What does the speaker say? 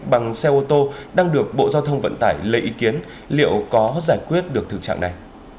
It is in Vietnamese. bằng xe ô tô đang được bộ giao thông vận tải lấy ý kiến liệu có giải quyết được thực trạng này